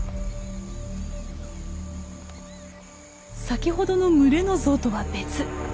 先ほどの群れのゾウとは別。